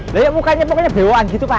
lho mukanya mukanya bewaan gitu pak